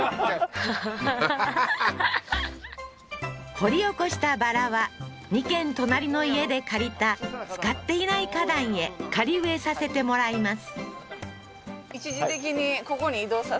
掘り起こしたバラは２軒隣の家で借りた使っていない花壇へ仮植えさせてもらいます